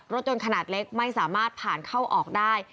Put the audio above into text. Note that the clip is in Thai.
รถยนต์ขนาดเล็กไม่สามารถผ่านเข้าออกได้